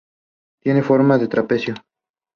The Royal family and Thatcher are informed of his death.